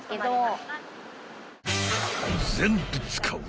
［「全部使う？」